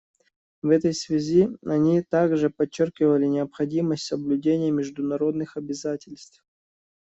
В этой связи они также подчеркивали необходимость соблюдения международных обязательств.